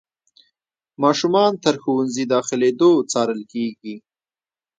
ماشومان تر ښوونځي داخلېدو څارل کېږي.